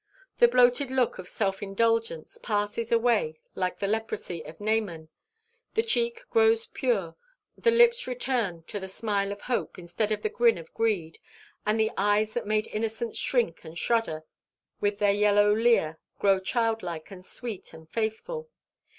The bloated look of self indulgence passes away like the leprosy of Naaman, the cheek grows pure, the lips return to the smile of hope instead of the grin of greed, and the eyes that made innocence shrink and shudder with their yellow leer grow childlike and sweet and faithful.